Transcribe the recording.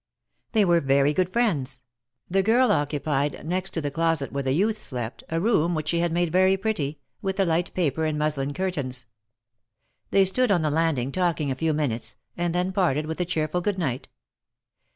They were very good friends. The girl occupied, next to the closet where the youth slept, a room which she had made very pretty, with a light paper and muslin curtains. They stood on the landing talking a few minutes, and then parted with a cheerful good night.